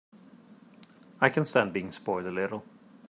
I can stand being spoiled a little.